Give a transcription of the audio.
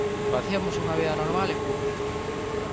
Facíamos unha vida normal e pública.